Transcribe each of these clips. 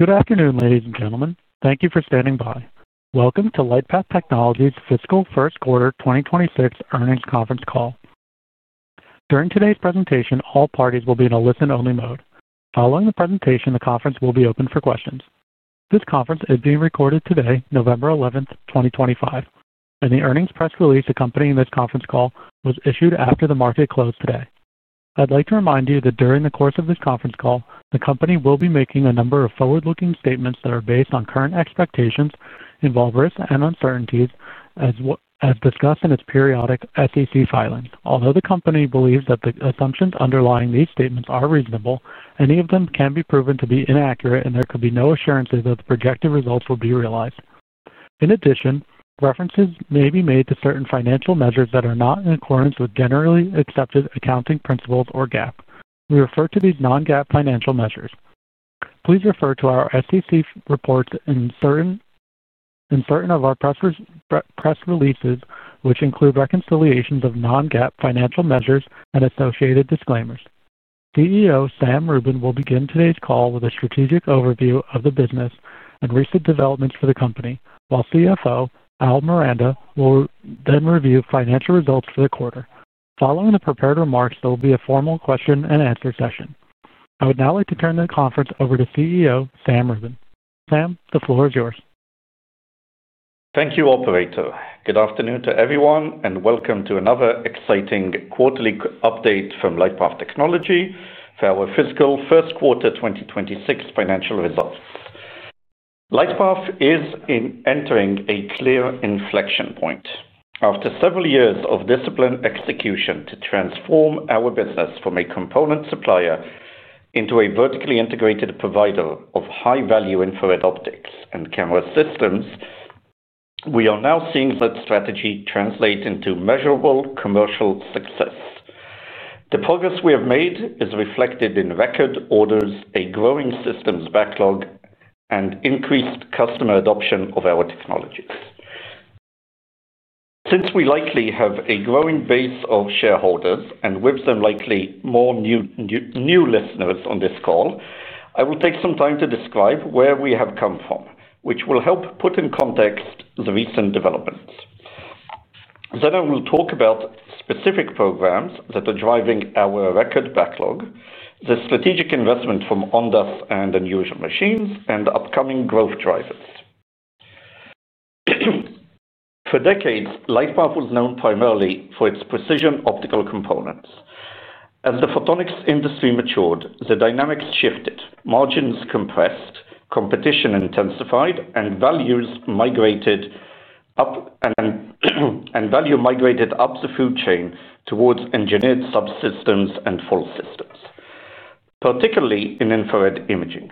Good afternoon ladies and gentlemen. Thank you for standing by. Welcome to LightPath Technologies Fiscal First Quarter 2026 Earnings Conference Call. During today's presentation, all parties will be in a listen only mode. Following the presentation, the conference will be open for questions. This conference is being recorded today, November 11, 2025, and the earnings press release acCompanying this conference call was issued after the market closed today. I'd like to remind you that during the course of this conference call, the Company will be making a number of forward looking statements that are based on current expectations, involve risks and uncertainties as discussed in its periodic SEC filings. Although the Company believes that the assumptions underlying these statements are reasonable, any of them can be proven to be inaccurate and there could be no assurances that the projected results will be realized. In addition, references may be made to certain financial measures that are not in accordance with Generally Accepted Accounting Principles or GAAP. We refer to these non-GAAP financial measures. Please refer to our SEC reports and certain of our press releases, which include reconciliations of non-GAAP financial measures and associated disclaimers. CEO Sam Rubin will begin today's call with a strategic overview of the business and recent developments for the Company, while CFO Al Miranda will then review financial results for the quarter. Following the prepared remarks, there will be a formal question and answer session. I would now like to turn the conference over to CEO Sam Rubin. Sam, the floor is yours. Thank you, Operator. Good afternoon to everyone and welcome to another exciting quarterly update from LightPath Technologies for our fiscal first quarter 2026 financial results. LightPath is entering a clear inflection point. After several years of disciplined execution to transform our business from a component supplier into a vertically integrated provider of high value infrared optics and camera systems, we are now seeing that strategy translate into measurable commercial success. The progress we have made is reflected in record orders, a growing systems backlog, and increased customer adoption of our technologies. Since we likely have a growing base of shareholders and with them likely more new listeners, on this call, I will take some time to describe where we have come from, which will help put in context the recent developments. Then I will talk about specific programs that are driving our record backlog, the strategic investment from Ondas and Unusual Machines and upcoming growth drivers. For decades, LightPath was known primarily for its precision optical components. As the photonics industry matured, the dynamics shifted, margins compressed, competition intensified and values migrated up and value migrated up the food chain towards engineered subsystems and fault systems, particularly in infrared imaging.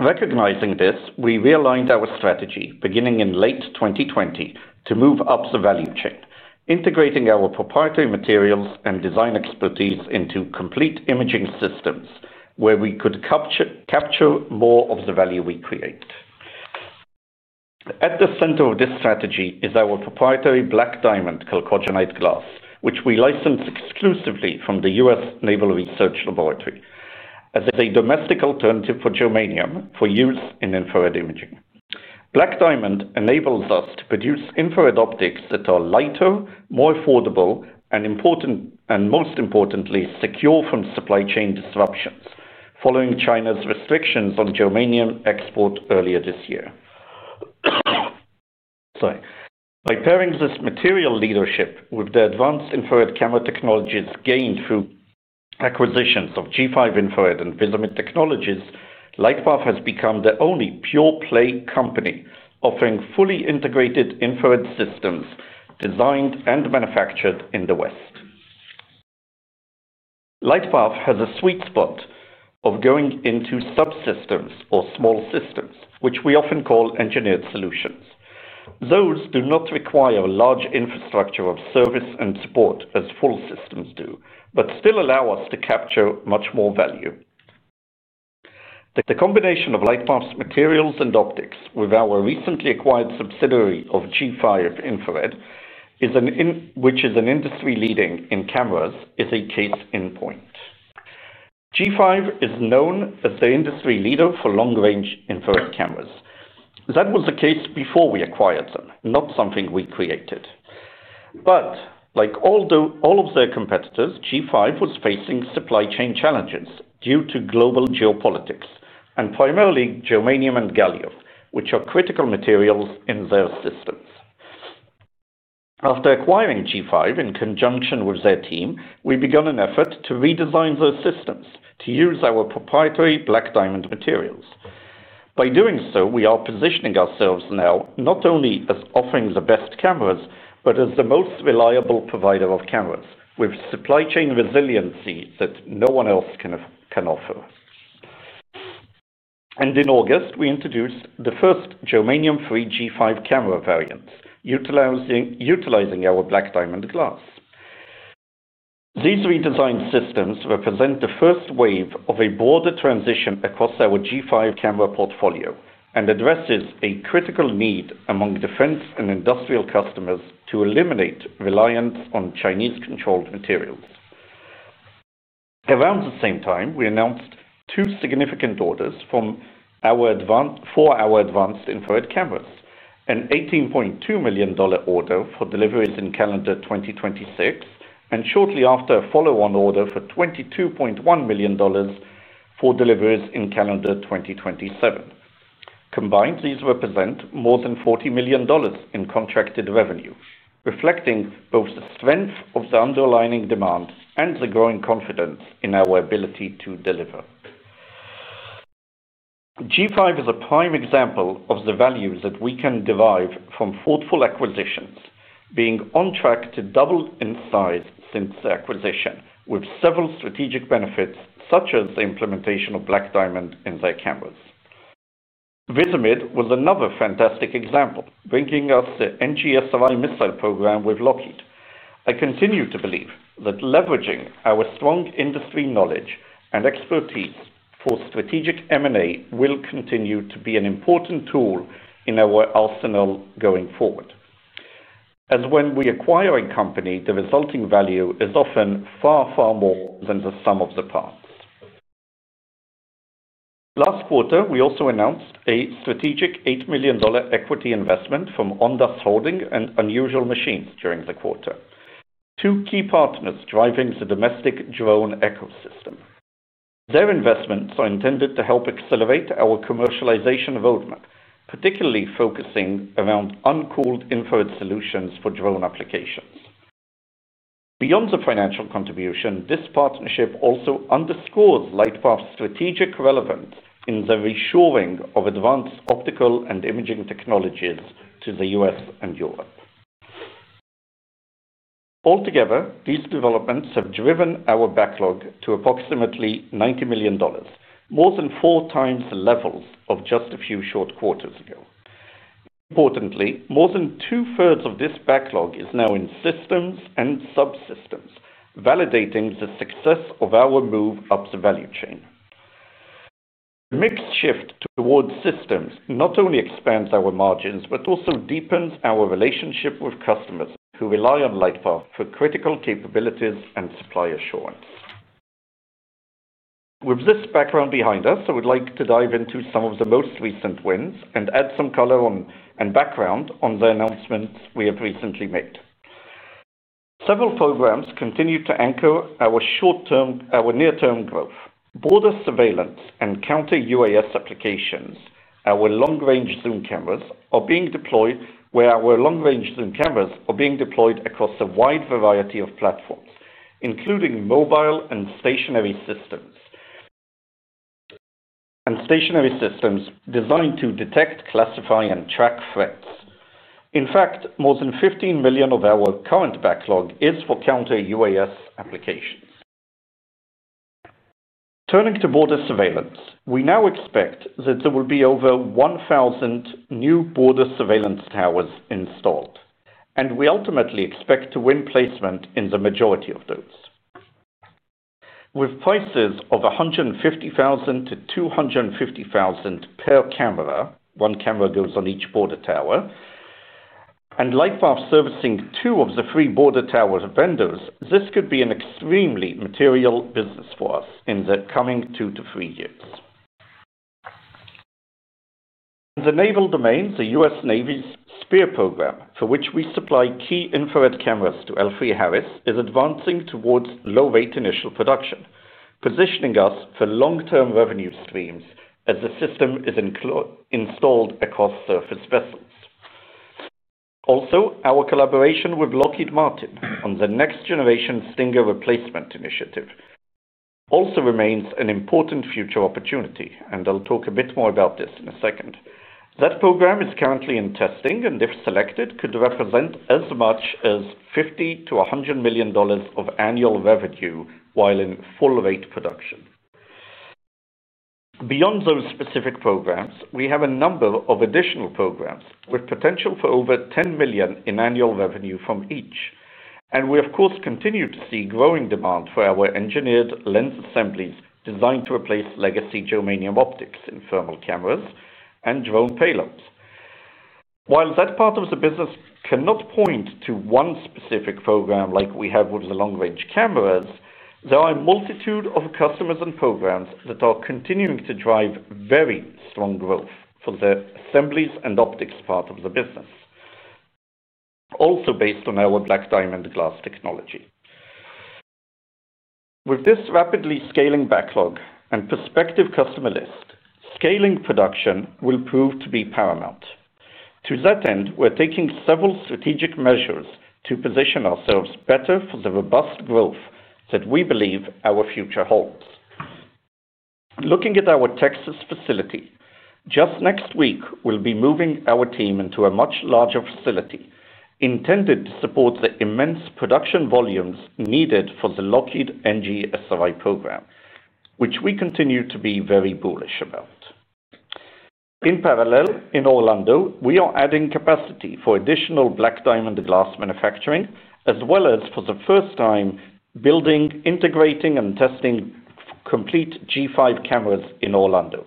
Recognizing this, we realigned our strategy beginning in late 2020 to move up the value chain, integrating our proprietary materials and design expertise into complete imaging systems where we could capture more of the value we create. At the center of this strategy is our proprietary Black Diamond Chalcogenite glass, which we license exclusively from the US Naval Research Laboratory as a domestic alternative for germanium for use in infrared imaging. Black diamond enables us to produce infrared optics that are lighter, more affordable and and most importantly, secure from supply chain disruptions following China's restrictions on germanium export earlier this year. Sorry. By pairing this material leadership with the advanced infrared camera technologies gained through acquisitions of G5 Infrared and VisiMid Technologies, LightPath has become the only pure play Company offering fully integrated infrared systems designed and manufactured in the West. LightPath has a sweet spot of going into subsystems or small systems, which we often call engineered solutions. Those do not require a large infrastructure of service and support as full systems do, but still allow us to capture much more value. The combination of LightPath's materials and optics with our recently acquired subsidiary of G5 Infrared, which is an industry leader in cameras, is a case in point. G5 is known as the industry leader for long range infrared cameras. That was the case before we acquired them, not something we created. Like all of their competitors, G5 was facing supply chain challenges due to global geopolitics and primarily germanium and gallium, which are critical materials in their systems. After acquiring G5, in conjunction with their team, we began an effort to redesign those systems to use our proprietary Black Diamond materials. By doing so, we are positioning ourselves now not only as offering the best cameras, but as the most reliable provider of cameras with supply chain resiliency that no one else can offer. In August, we introduced the first Germanium-Free G5 camera variants utilizing our Black Diamond glass. These redesigned systems represent the first wave of a broader transition across our G5 camera portfolio and address a critical need among defense and industrial customers to eliminate reliance on Chinese-controlled materials. Around the same time, we announced two significant orders for our advanced infrared cameras. An $18.2 million order for deliveries in calendar 2026 and shortly after a follow on order for $22.1 million for deliveries in calendar 2027. Combined, these represent more than $40 million in contracted revenue, reflecting both the strength of the underlying demand and the growing confidence in our ability to deliver. G5 is a prime example of the value that we can derive from thoughtful acquisitions. Being on track to double in size since the acquisition, with several strategic benefits such as the implementation of Black diamond in their cameras, Visimid was another fantastic example bringing us the NGSRI missile program with Lockheed. We continue to believe that leveraging our strong industry knowledge and expertise for strategic MA will continue to be an important tool in our arsenal going forward, as when we acquire a Company, the resulting value is often far, far more than the sum of the parts. Last quarter we also announced a strategic $8 million equity investment from Ondas Holdings and Unusual Machines during the quarter, two key partners driving the domestic drone ecosystem. Their investments are intended to help accelerate our commercialization roadmap, particularly focusing around uncooled infrared solutions for drone applications. Beyond the financial contribution, this partnership also underscores LightPath's strategic relevance in the reshoring of advanced optical and imaging technologies to the U.S. and Europe. Altogether, these developments have driven our backlog to approximately $90 million, more than four times the levels of just a few short quarters ago. Importantly, more than two thirds of this backlog is now in systems and subsystems, validating the success of our move up the value chain. This shift towards systems not only expands our margins, but also deepens our relationship with customers who rely on LightPath for critical capabilities and supply assurance. With this background behind us, I would like to dive into some of the most recent wins and add some color and background on the announcements we have recently made. Several programs continue to anchor our short term our near term growth border surveillance and Counter-UAS applications. Our Long Range Zoom Cameras are being deployed where Our Long Range Zoom Cameras are being deployed across a wide variety of platforms including mobile and stationary systems designed to detect, classify and track threats. In fact, more than $15 million of our current backlog is for Counter-UAS applications. Turning to border surveillance, we now expect that there will be over 1,000 new border surveillance towers installed and we ultimately expect to win placement in the majority of those with prices of $150,000-$250,000 per camera. One camera goes on each border tower and likewise servicing two of the three border towers vendors. This could be an extremely material business for us in the coming two to three years. In the naval domain, the US Navy's SPEAR program, for which we supply key infrared cameras to L3Harris is advancing towards low rate initial production, positioning us for long term revenue streams as the system is installed across surface vessels. Also, our collaboration with Lockheed Martin on the next generation Stinger Replacement Initiative also remains an important future opportunity and I'll talk a bit more about this in a second. That program is currently in testing and if selected could represent as much as $50 million-$100 million of annual revenue while in full rate production. Beyond those specific programs, we have a number of additional programs with potential for over $10 million in annual revenue from each. And we of course continue to see growing demand for our engineered lens assemblies designed to replace legacy germanium optics in thermal cameras and drone payloads. While that part of the business cannot point to one specific program like we have with the long range cameras, there are a multitude of customers and programs that are continuing to drive very strong growth for the assemblies and optics part of the business, also based on our Black diamond glass technology. With this rapidly scaling backlog and prospective customer list scaling, production will prove to be paramount. To that end, we're taking several strategic measures to position ourselves better for the robust growth that we believe our future holds. Looking at our Texas facility, just next week we'll be moving our team into a much larger facility intended to support the immense production volumes needed for the Lockheed NGSRI program, which we continue to be very bullish about. In parallel in Orlando we are adding capacity for additional Black diamond glass manufacturing as well as for the first time building, integrating and testing complete G5 cameras in Orlando,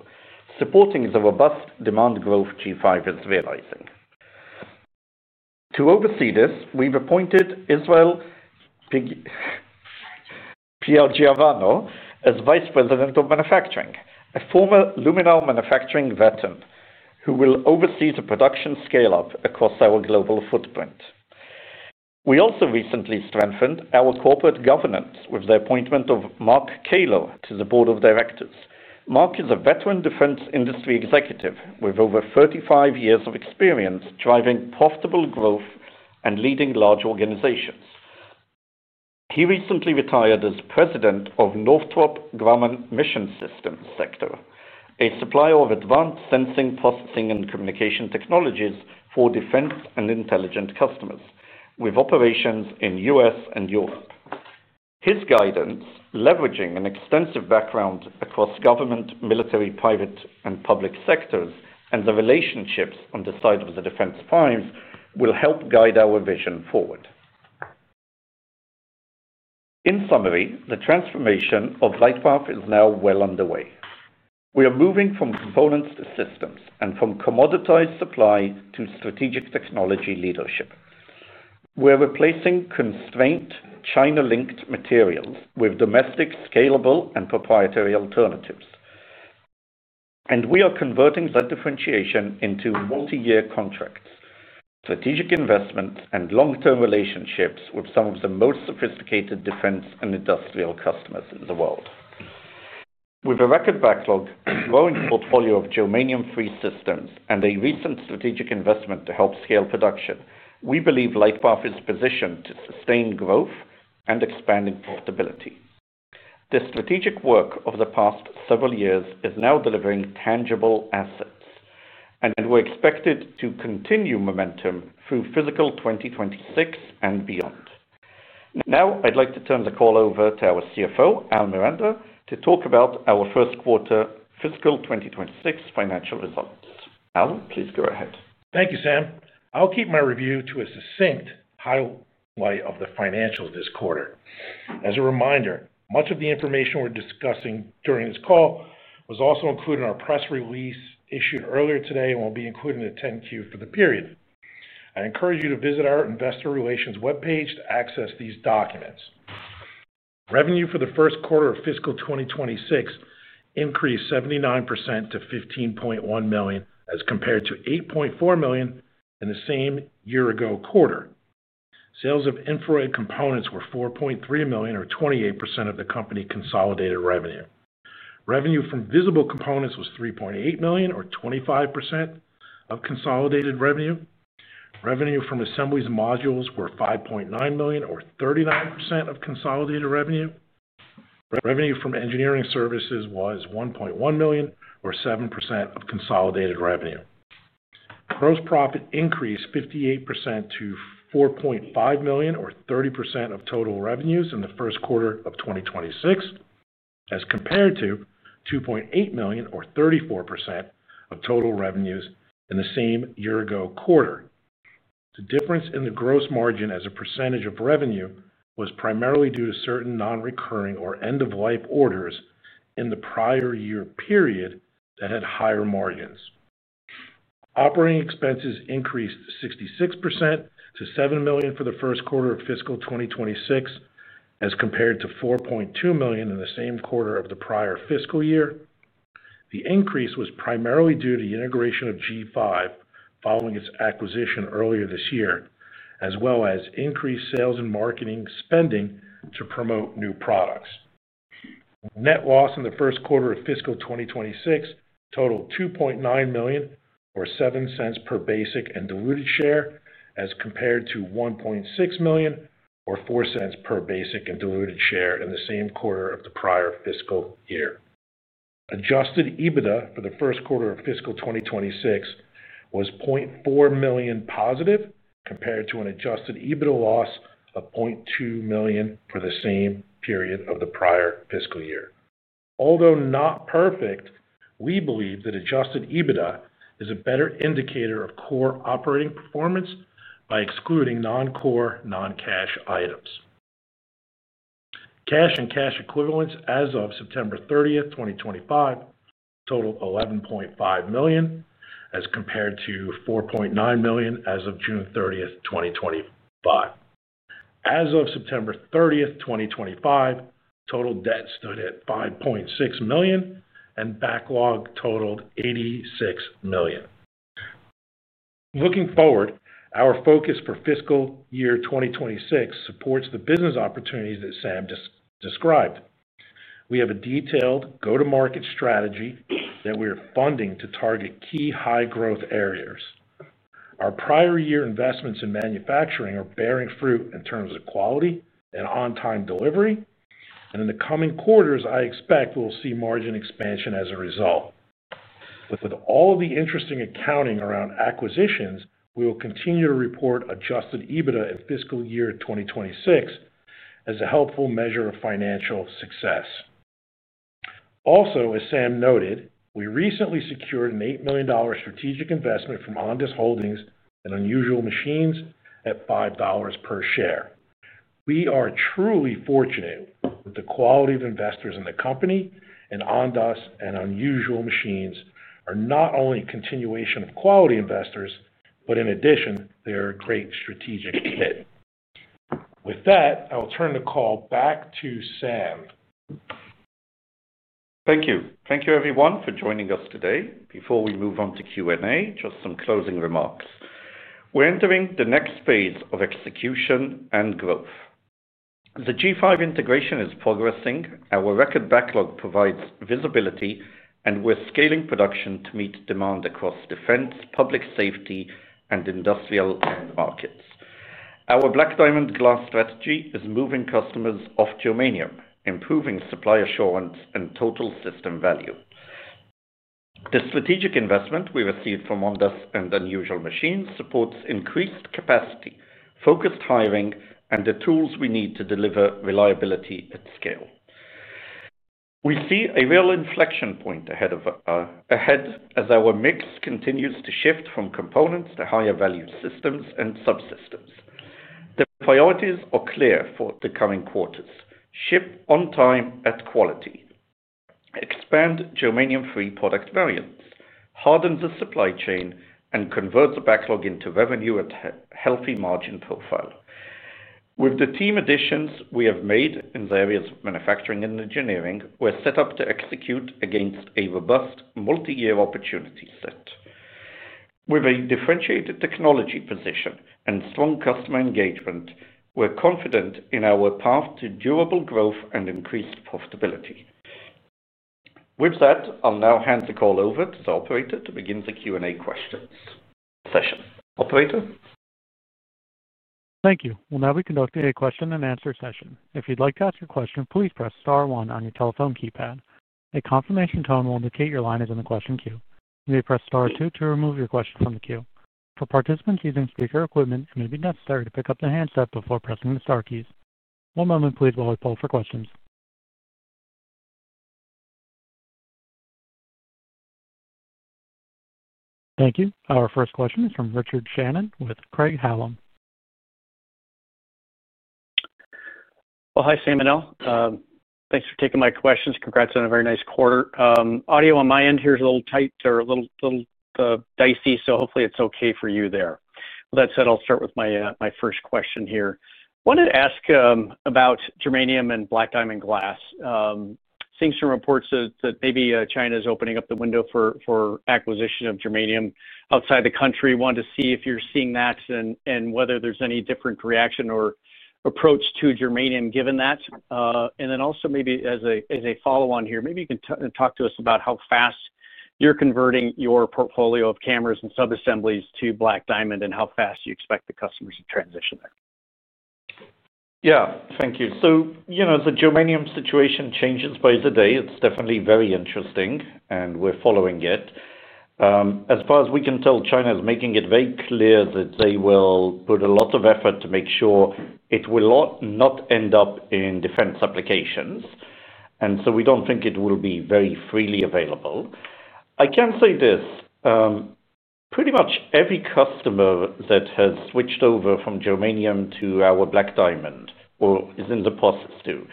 supporting the robust demand growth G5 is realizing. To oversee this, we've appointed Israel Piergiovanno as Vice President of Manufacturing, a former luminal manufacturing veteran who will oversee the production scale up across our global footprint. We also recently strengthened our corporate governance with the appointment of Mark Caylor to the Board of Directors. Mark is a veteran defence industry executive with over 35 years of experience driving profitable growth and leading large organizations. He recently retired as President of Northrop Grumman Mission Systems sector, a supplier of advanced sensing, processing and communication technologies for defense and intelligence customers with operations in US and Europe. His guidance leveraging an extensive background across government, military, private and public sectors and the relationships on the side of the Defence five will help guide our vision forward. In summary, the transformation of LightPath is now well underway. We are moving from components to systems and from commoditized supply to strategic technology leadership. We're replacing constraint China linked materials with domestic scalable and proprietary alternatives and we are converting that differentiation into multi year contracts, strategic investment and long term relationships with some of the most sophisticated defence and industrial customers in the world. With a record backlog, growing portfolio of germanium free systems and a recent strategic investment to help scale production, we believe LightPath is positioned to sustain growth and expanding profitability. The strategic work over the past several years is now delivering tangible assets and we're expected to continue momentum through fiscal 2026 and beyond. Now I'd like to turn the call over to our CFO Al Miranda to talk about our first quarter fiscal 2026 financial results. Al, please go ahead. Thank you, Sam. I'll keep my review to a succinct highlight of the financials this quarter. As a reminder, much of the information we're discussing during this call was also included in our press release issued earlier today and will be included in the 10-Q for the period. I encourage you to visit our Investor Relations webpage to access these documents. Revenue for the first quarter of fiscal 2026 increased 79% to $15.1 million as compared to $8.4 million in the same year ago quarter. Sales of infrared components were $4.3 million, or 28% of the Company's consolidated revenue. Revenue from visible components was $3.8 million, or 25% of consolidated revenue. Revenue from assemblies modules were $5.9 million, or 39% of consolidated revenue. Revenue from engineering services was $1.1 million, or 7% of consolidated revenue. Gross profit increased 58% to 4.5 million, or 30% of total revenues in the first quarter of 2026 as compared to 2.8 million, or 34% of total revenues in the same year ago quarter. The difference in the gross margin as a percentage of revenue was primarily due to certain non recurring or end of life orders and in the prior year period that had higher margins. Operating expenses increased 66% to 7 million for the first quarter of fiscal 2026 as compared to 4.2 million in the same quarter of the prior fiscal year. The increase was primarily due to the integration of G5 following its acquisition earlier this year, as well as increased sales and marketing spending to promote new products. Net loss in the first quarter of fiscal 2026 totaled $2.9 million, or $0.07 per basic and diluted share as compared to $1.6 million or $0.04 per basic and diluted share in the same quarter of the prior fiscal year. Adjusted EBITDA for the first quarter of fiscal 2026 was $0.4 million positive compared to an Adjusted EBITDA loss of $0.2 million for the same period of the prior fiscal year. Although not perfect, we believe that Adjusted EBITDA is a better indicator of core operating performance by excluding non core non cash items. Cash and cash equivalents as of September 30th 2025 totaled $11.5 million as compared to $4.9 million as of June 30th 2025, and as of September 30th 2025, total debt stood at $5.6 million and backlog totaled $86 million. Looking forward, our focus for fiscal year 2026 supports the business opportunities that Sam just described. We have a detailed go to market strategy that we are funding to target key high growth areas. Our prior year investments in manufacturing are bearing fruit in terms of quality and on time delivery and in the coming quarters I expect we'll see margin expansion. As a result. With all of the interesting accounting around acquisitions, we will continue to report Adjusted EBITDA in fiscal year 2026 as a helpful measure of financial success. Also, as Sam noted, we recently secured an $8 million strategic investment from Ondas Holdings and Unusual Machines at $5 per share. We are truly fortunate that the quality of investors in the Company and Ondas and Unusual Machines are not only a continuation of quality investors, but in addition they're a great strategic fit. With that, I will turn the call back to Sam. Thank you. Thank you everyone for joining us today. Before we move on to Q and A, just some closing remarks. We're entering the next phase of execution and growth. The G5 integration is progressing, our record backlog provides visibility and we're scaling production to meet demand across defense, public safety and industrial markets. Our Black Diamond Glass strategy is moving customers off germanium, improving supply assurance and total system value. The strategic investment we received from Ondas and Unusual Machines supports increased capacity, focused hiring and the tools we need to deliver reliability at scale. We see a real inflection point ahead as our mix continues to shift from components to higher value systems and subsystems. The priorities are clear for the coming ship on time at quality, expand Germanium free product variants, harden the supply chain and convert the backlog into revenue at healthy margin Profile with the team additions we have made in the areas of manufacturing and engineering, we're set up to execute against a robust multi year opportunity set. With a differentiated technology position and strong customer engagement, we're confident in our path to durable growth and increased profitability. With that, I'll now hand the call over to the operator to begin the Q and A questions session. Operator. Thank you. We'll now be conducting a question and answer session. If you'd like to ask a question, please press star one on your telephone keypad. A confirmation tone will indicate your line is in the question queue. You may press star two to remove your question from the queue. For participants using speaker equipment, it may be necessary to pick up the handset before pressing the star keys. One moment please while we poll for questions. Thank you. Our first question is from Richard Shannon with Craig Hallam. Well hi Sam and El, thanks for taking my questions. Congrats on a very nice quarter. Audio on my end here is a little tight or a little dicey, so hopefully it's okay for you there. That said, I'll start with my first question here. Wanted to ask about germanium and Black diamond glass. Seeing some reports that maybe China is opening up the window for acquisition of germanium outside the country. Wanted to see if you're seeing that and whether there's any different reaction or approach to germanium given that. And then also maybe as a follow on here, maybe you can talk to us about how fast you're converting your portfolio of cameras and sub assemblies to Black diamond and how fast you expect. The customers to transition there. Yeah, thank you. So, you know, the germanium situation changes by the day. It's definitely very interesting and we're following it. As far as we can tell, China is making it very clear that they will put a lot of effort to make sure it will not end up in defense applications. And so we don't think it will be very freely available. I can say this, pretty much every customer that has switched over from germanium to our Black diamond or is in the process to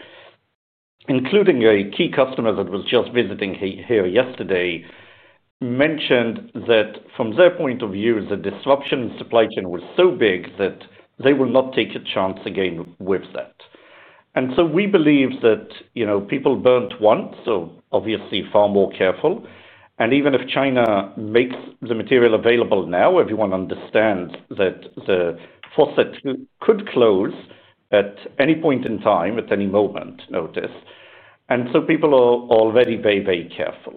including a key customer that was just visiting here yesterday mentioned that from their point of view, the disruption in supply chain was so big that they will not take a chance again with that. And so we believe that, you know, people burnt once, so obviously far more careful. And even if China makes the material available now, everyone understands that the faucet could close at any point in time, at any moment notice. And so people are already very, very careful.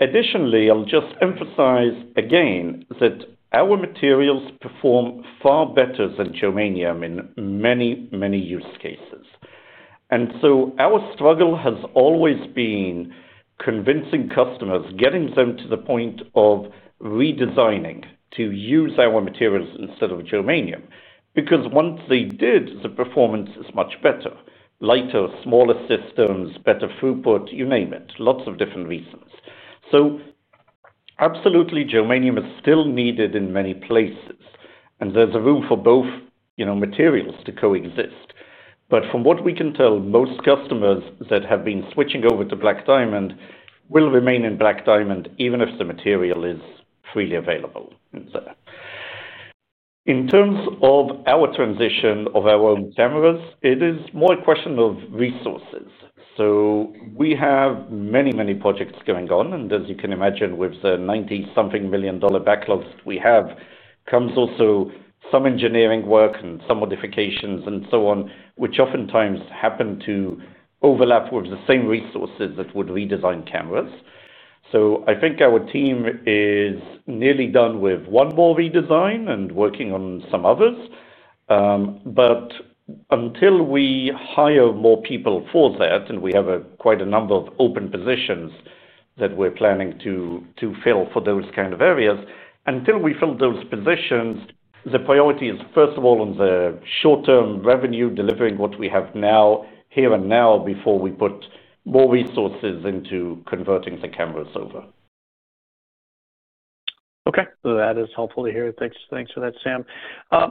Additionally, I'll just emphasize again that our materials perform far better than germanium in many, many use cases. And so our struggle has always been convincing customers, getting them to the point of redesigning to use our materials instead of germanium. Because once they did, the performance is much better. Lighter, smaller systems, better throughput, you name it. Lots of different reasons. So absolutely, germanium is still needed in many places and there's a room for both materials to coexist. But from what we can tell, most customers that have been switching over to Black diamond will remain in Black diamond even if the material is freely available. In terms of our transition of our own cameras, it is more a question of resources. So we have many, many projects going on. And as you can imagine, with the 90 something million dollars backlogs we have comes also some engineering work and some modifications and so on, which oftentimes happen to overlap with the same resources that would redesign cameras So I think our team is nearly done with one more redesign and working on some others. But until we hire more people for that, and we have quite a number of open positions that we're planning to fill for those kind of areas. Until we fill those positions, the priority is, first of all on the short term revenue, delivering what we have now, here and now, before we put more resources into converting the canvas over. Okay, that is helpful to hear. Thanks. Thanks for that, Sam.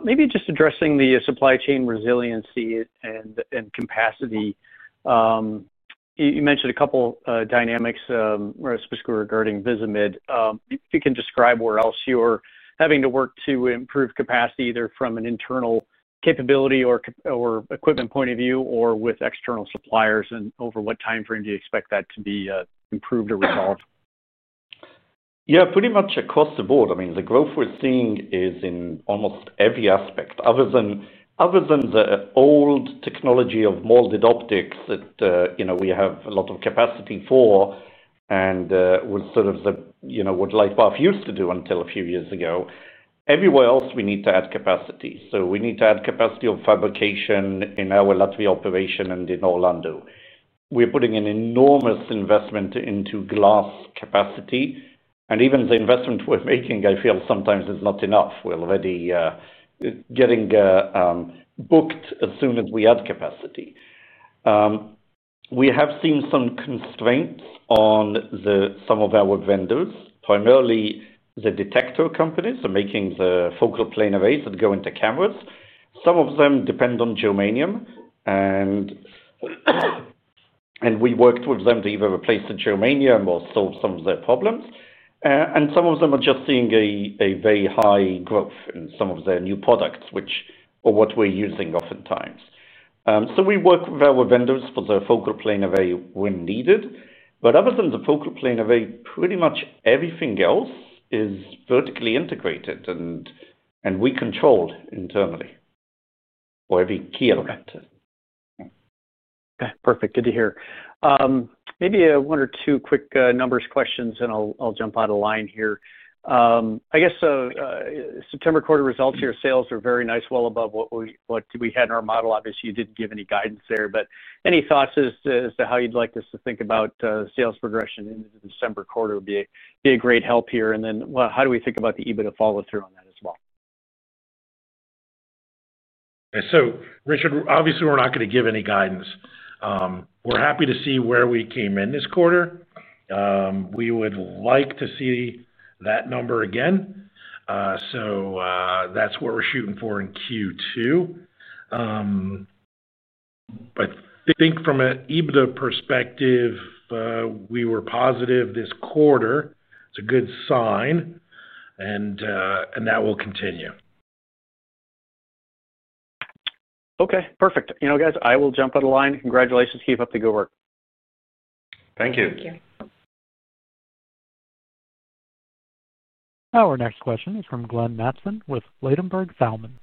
Maybe just addressing the supply chain resiliency and capacity. You mentioned a couple dynamics regarding Visimid. If you can describe where else you're having to work to improve capacity, either from an internal capability or equipment point of view or with external suppliers. And over what time frame do you expect that to be improved or resolved? Yeah, pretty much across the board. I mean, the growth we're seeing is in almost every aspect other than the old technology of molded optics that, you know, we have a lot of capacity for and was sort of, you know, what LightPath used to do until a few years ago. Everywhere else we need to add capacity. So we need to add capacity of fabrication in our lottery operation. And in Orlando, we're putting an enormous investment into glass capacity. And even the investment we're making, I feel, sometimes is not enough. We're already getting booked as soon as we add capacity. We have seen some constraints on some of our vendors. Primarily the detector companies are making the focal planar rays that go into cameras. Some of them depend on germanium. And. We worked with them to either replace the germanium or solve some of their problems. And some of them are just seeing a very high growth in some of their new products, which are what we're using oftentimes. So we work with our vendors for the focal plane of a when needed. But other than the focal plane array, pretty much everything else is vertically integrated and we controlled internally for every key element. Perfect. Good to hear. Maybe one or two quick numbers questions and I'll jump out of line here, I guess. September quarter results here. Sales are very nice, well above what we had in our model. Obviously you didn't give any guidance there, but any thoughts as to how you'd like us to think about sales progression? The December quarter would be a great help here. And then how do we think about the ebitda? Follow through on that as well. So, Richard, obviously we're not going to give any guidance. We're happy to see where we came in this quarter. We would like to see that number again. So that's what we're shooting for in Q2, I think from an EBITDA perspective, we were positive this quarter. It's a good sign and that will continue. Okay, perfect. You know, guys, I will jump out of line. Congratulations. Keep up the good work. Thank you. Our next question is from Glenn Matson with Ladenburg Thalmann.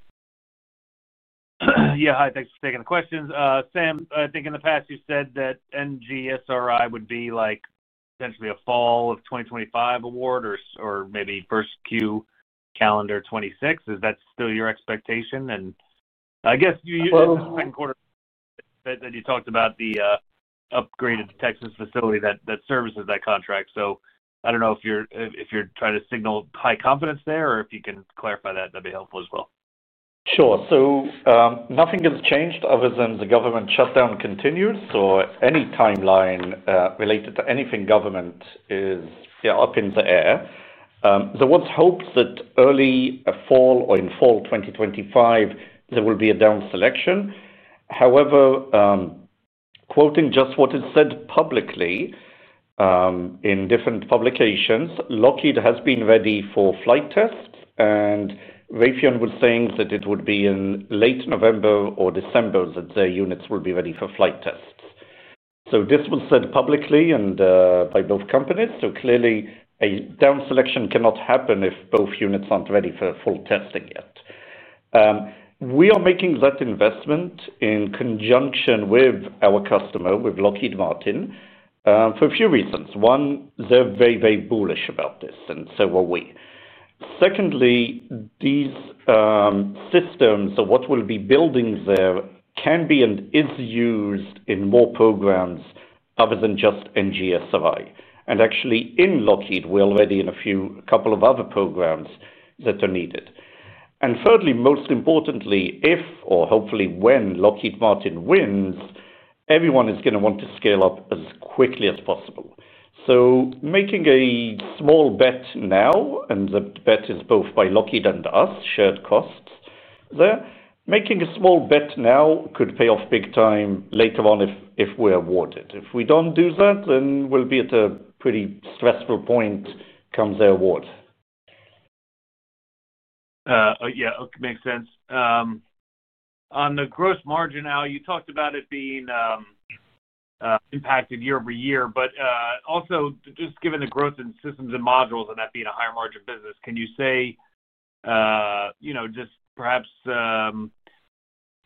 Yeah, hi. Thanks for taking the questions, Sam. I think in the past you said that NGSRI would be like potentially a fall of 2025 award or maybe first Q calendar 2026. Is that still your expectation and I guess second quarter that you talked about the upgraded Texas facility that services that contract. So I don't know if you're, if you're trying to signal high confidence there or if you can clarify that, that will be helpful as well. Sure. So nothing has changed other than the government shutdown continues or any timeline related to anything. Government is up in the air. There was hope that early fall or in fall 2025 there will be a down selection. However, quoting just what is said publicly in different publications, Lockheed has been ready for flight tests and Raytheon was saying that it would be in late November or December that their units will be ready for flight test. So this was said publicly and by both companies. So clearly a down selection cannot happen if both units aren't ready for full testing yet. We are making that investment in conjunction with our customer with Lockheed Martin for a few reasons. One, they're very, very bullish about this and so are we. Secondly, these systems, so what will be building there can be and is used in more programs other than just ngsri. And actually in Lockheed we're already in a few, couple of other programs that are needed. And thirdly, most importantly, if or hopefully when Lockheed Martin wins, everyone is going to want to scale up as quickly as possible. So making a small bet now and the bet is both by Lockheed and us, shared cost, making a small bet now could pay off big time later on if we're awarded. If we don't do that, then we'll be at a pretty stressful point. Comes the award. Yeah, makes sense. On the gross margin, Al you talked about it being impacted year-over-year, but also just given the growth in systems and modules and that being a higher margin business, can you say, you know, just perhaps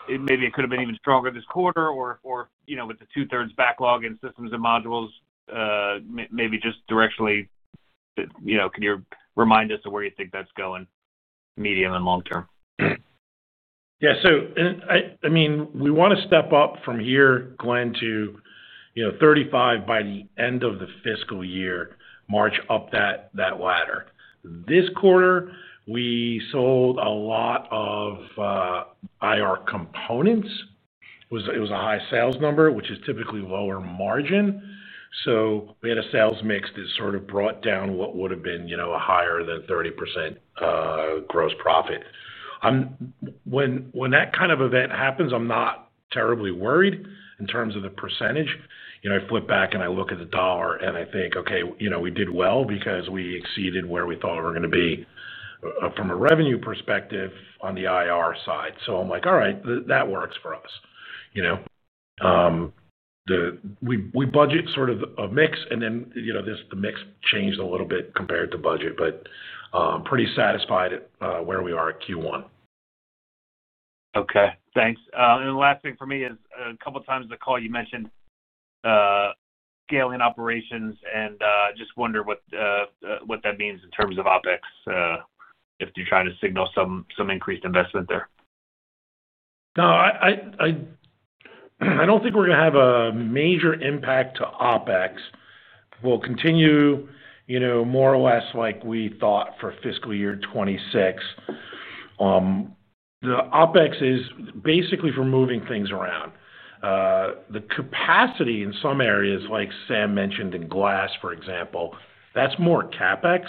maybe it could have been even stronger this quarter or you know, with the two thirds backlog and systems and modules, maybe just directionally, you know, can you remind us of where you think that's going medium and long term? Yeah. So I mean, we want to step up from here, Glenn, to, you know, 35 by the end of the fiscal year March up that ladder. This quarter we sold a lot of IR components. It was a high sales number, which is typically lower margin. So we had a sales mix that. Sort of brought down what would have been a higher than 30% gross profit. When that kind of event happens, I'm not terribly worried in terms of the percentage. I flip back and I look at. The dollar and I think, okay, we did well because we exceed where we thought we were going to be from a revenue perspective on the IR side. So I'm like, all right, that works for us. You know. We budget sort of a mix and then, you know, this, the mix changed a little bit compared to budget, but pretty satisfied where we are at Q1. Okay, thanks. And the last thing for me is a couple times the call you mentioned scaling operations and just wonder what, what that means in terms of OpEx. If you try to signal some, some increased investment there. No, I don't think we're gonna have a major impact to OpEx. We'll continue, you know, more or less like we thought for fiscal year 26. The OpEx is basically for moving things around. The capacity in some areas, like Sam mentioned in Glass for example, that's more CapEx,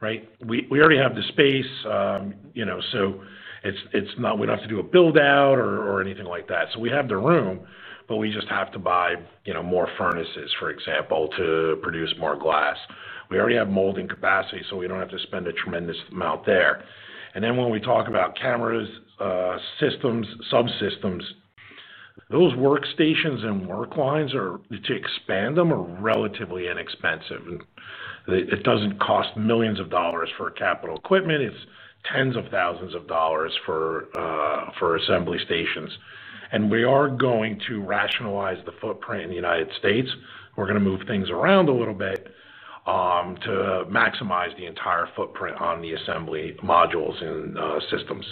right? We already have the space, you know, so it's, it's not, we don't have. To do a build out or anything like that. So we have the room, but we just have to buy, you know, more furnaces, for example, to produce more glass. We already have molding capacity so we don't have to spend a tremendous amount there. And then when we talk about cameras. Systems, subsystems, those workstations and work lines are, to expand them are relatively inexpensive. And it doesn't cost millions of dollars for capital equipment. It's tens of thousands of dollars for assembly stations. And we are going to rationalize the footprint in the United States. We're going to move things around a little bit to maximize the entire footprint on the assembly modules and systems.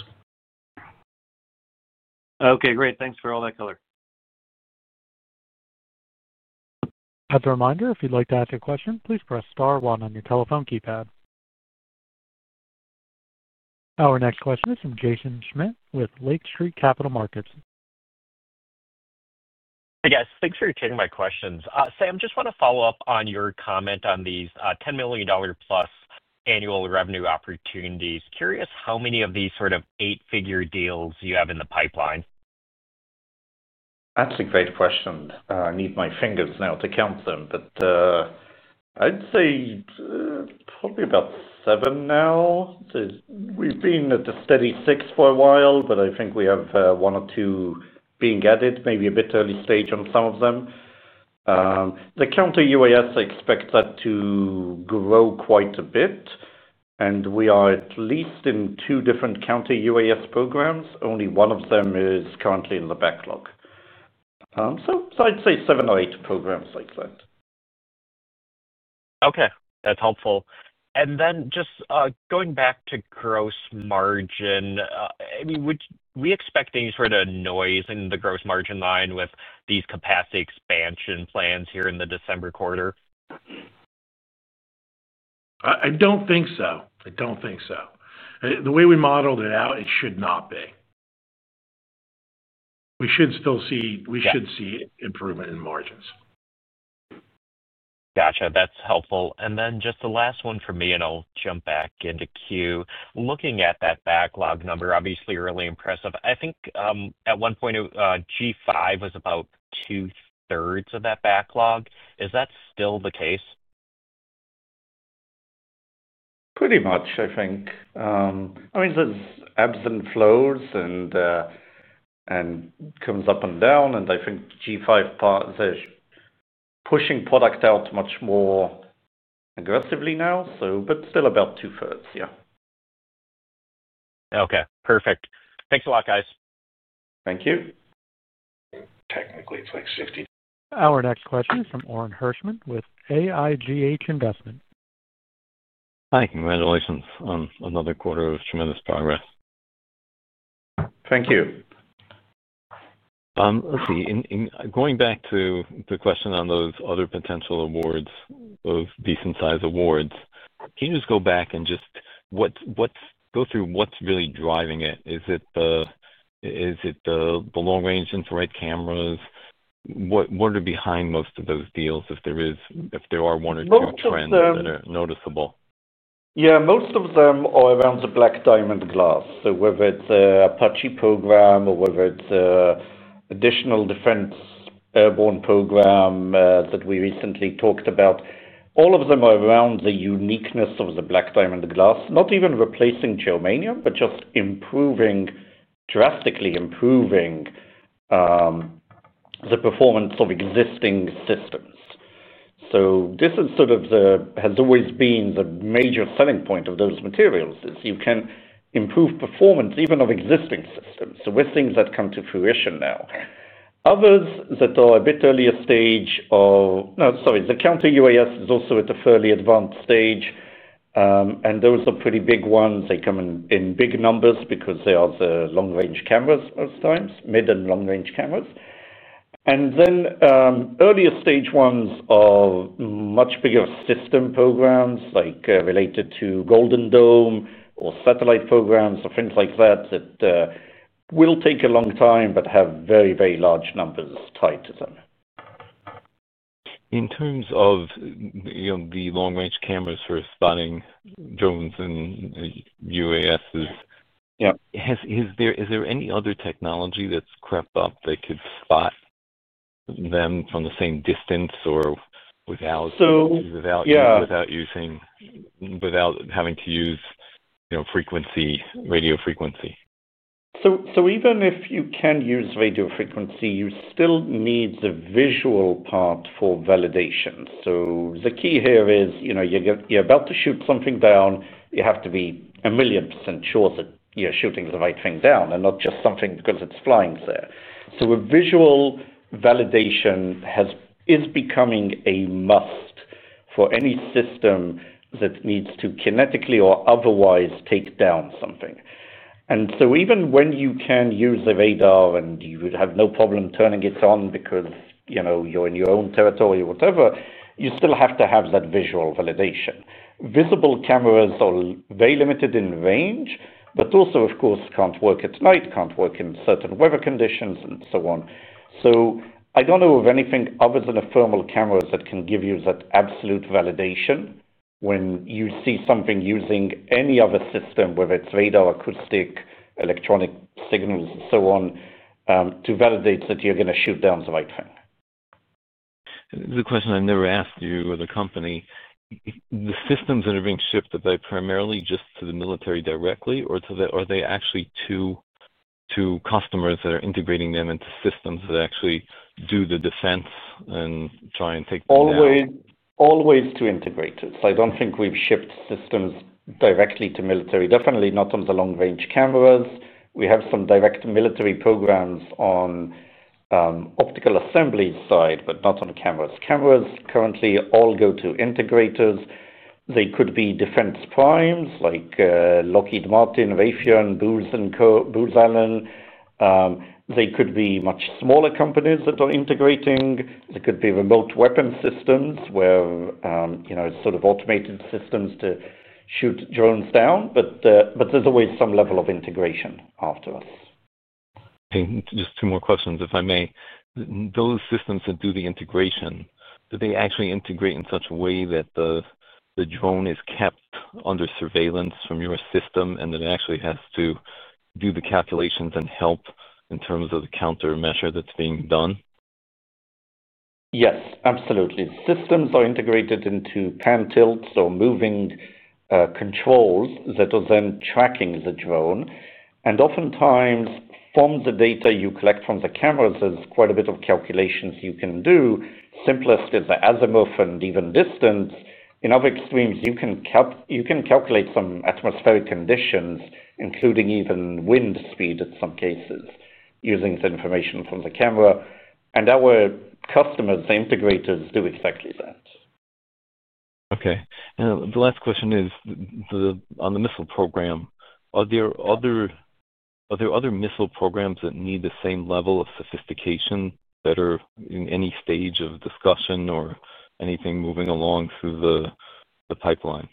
Okay, great. Thanks for all that color. As a reminder, if you'd like to ask a question, please press star one on your telephone keypad. Our next question is from Jaeson Schmidt with Lake Street Capital Markets. Hey guys, thanks for taking my questions. Sam, just want to follow up on. Your comment on these $10 million plus annual revenue opportunities. Curious how many of these sort of eight figure deals you have in the pipeline. That's a great question. I need my fingers now to count them, but I'd say probably about seven. Now we've been at A steady six for a while. But I think we have one or two being added maybe a bit early stage on some of them. The Counter-UAS, I expect that to grow quite a bit. And we are at least in two different counter-UAS programs. Only one of them is currently in the backlog. So I'd say seven or eight programs like that. Okay, that's helpful. And then just going back to gross margin. We expect any sort of noise in the gross margin line with these capacity expansion plans here in the December quarter. I don't think so. I don't think so. The way we modeled it out, it should not be. We should still see, we should see improvement in margins. Gotcha, that's helpful. And then just the last one for. Me and I'll jump back into Q. Looking at that backlog number, obviously really impressive. I think at one point G5 was about 2/3 of that backlog. Is that still the case? Pretty much, I think. I mean there's ebbs and flows and comes up and down and I think G5 part, they're pushing product out much more aggressively now. Still about two thirds. Yeah. Okay, perfect. Thanks a lot, guys. Thank you. Technically it's like 60. Our next question is from Orin Hirschman with AIGH Investment. Hi, congratulations on another quarter of tremendous progress. Thank you. Let's see, going back to the question on those other potential awards, those decent size awards. Can you just go back and just, what, what's, go through, what's really driving it? Is it the, is it the long range infrared cameras? What, what are behind most of those deals? If there is, if there are one or two trends that are noticeable. Yeah, most of them are around the Black Diamond Glass. So whether it's Apache program or whether it's additional defense airborne program that we recently talked about, all of them are around the uniqueness of the Black Diamond Glass. Not even replacing germanium, but just improving, drastically improving the performance of existing systems. This has always been the major selling point of those materials is you can improve performance even of existing systems. With things that come to fruition now, others that are a bit earlier stage. No, sorry. The Counter-UAS is also at a fairly advanced stage and those are pretty big ones. They come in big numbers because they are the long range cameras, most times mid and long range cameras, and then earlier stage ones are much bigger system programs like related to Golden Dome or satellite programs or things like that that will take a long time but have very, very large numbers tied to them. In terms of the long range cameras for spotting drones and UASs, is there any other technology that's crept up that could spot them from the same distance or without using, without having to use frequency, radio frequency? Even if you can use radio frequency, you still need the visual part for validation. The key here is you're about to shoot something down. You have to be a million percent sure that you're shooting the right thing down and not just something because it's flying there. A visual validation is becoming a must for any system that needs to kinetically or otherwise take down something. Even when you can use a radar and you would have no problem turning it on because you know you're in your own territory or whatever, you still have to have that visual validation. Visible cameras are very limited in range, but also of course can't work at night, can't work in certain weather conditions and so on. I don't know of anything other than a thermal camera that can give you that absolute validation when you see something using any other system, whether it's radar, acoustic, electronic signals and so on, to validate that you're going to shoot down the right thing. The question I've never asked you or the Company, the systems that are being shipped, are they primarily just to the military directly or are they actually to customers that are integrating them into systems that actually do the defense and try and take? Always to integrate it, I don't think we've shipped systems directly to military. Definitely not on the long range cameras. We have some direct military programs on optical assemblies side, but not on cameras. Cameras currently all go to integrators. They could be defense primes like Lockheed Martin, Raytheon, Booz Allen. They could be much smaller companies that are integrating. They could be remote weapons system where you know, sort of automated systems to shoot drones down. But there's always some level of integration after. Just two more questions if I may. Those systems that do the integration, do they actually integrate in such a way that the drone is kept under surveillance from your system and that it actually has to do the calculations and help in terms of the countermeasure that's being done? Yes, absolutely. Systems are integrated into pan tilts or moving controls that are then tracking the drone. Oftentimes from the data you collect from the cameras, there's quite a bit of calculations you can do. Simplest is the azimuth and even distance. In other extremes you can calculate some atmospheric conditions, including even wind speed. In some cases using the information from the camera and our customers, the integrators do exactly that. Okay, the last question is on the missile program. Are there other missile programs that need the same level of sophistication that are in any stage of discussion or anything moving along through the pipeline?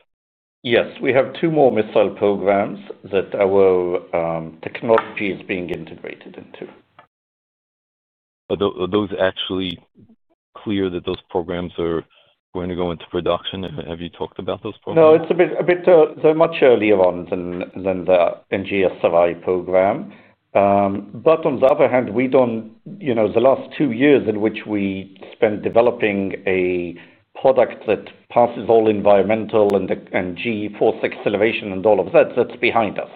Yes, we have two more missile programs that our technology is being integrated into. Are those actually clear that those programs are going to go into production? Have you talked about those programs? No, it's a bit. A bit. They're much earlier on than the NGSRI program. On the other hand, we don't, you know, the last two years in which we spent developing a product that passes all environmental and G force acceleration and all of that, that's behind us.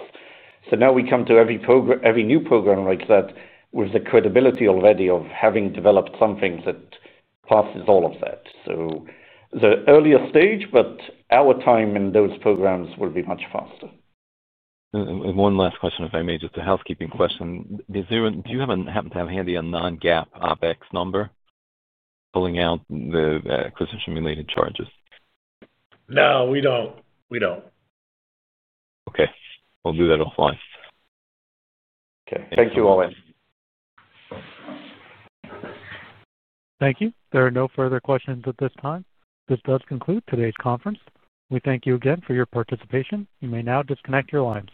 Now we come to every program, every new program like that with the credibility already of having developed something that passes all of that. The earlier stage, but our time in those programs will be much faster. One last question, if I may. Just a housekeeping question. Do you happen to have handy a non-GAAP OpEx number pulling out the crisis-related charges? No, we don't. We don't. Okay, I'll do that offline. Okay. Thank you, Owen. Thank you. There are no further questions at this time. This does conclude today's conference. We thank you again for your participation. You may now disconnect your lines.